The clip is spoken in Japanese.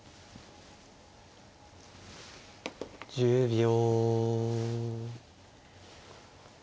１０秒。